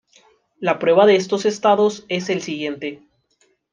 La prueba de estos estados es el siguiente.